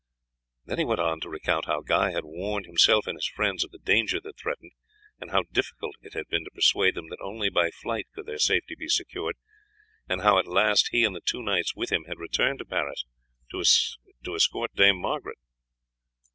Then he went on to recount how Guy had warned himself and his friends of the danger that threatened, and how difficult it had been to persuade them that only by flight could their safety be secured; and how at last he and the two knights with him had returned to Paris to escort Dame Margaret.